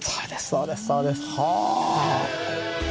そうですそうです。はあ！